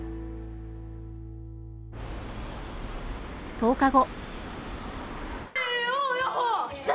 １０日後。